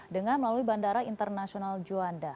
dengan melalui bandara internasional juanda